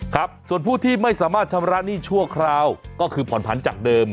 ครับส่วนผู้ที่ไม่สามารถชำระหนี้ชั่วคราวก็คือผ่อนผันจากเดิม